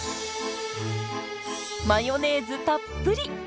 マヨネーズたっぷり！